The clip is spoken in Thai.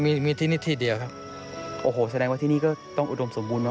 มีมีที่นี่ที่เดียวครับโอ้โหแสดงว่าที่นี่ก็ต้องอุดมสมบูรณเน